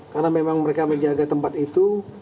karena memang mereka menjaga tempat itu